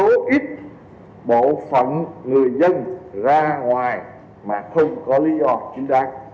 số ít bộ phận người dân ra ngoài mà không có lý do chính đạt